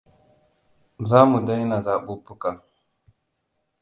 Za mu daina zaɓuɓɓuka.